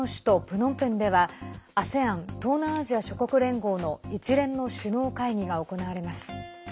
プノンペンではＡＳＥＡＮ＝東南アジア諸国連合の一連の首脳会議が行われます。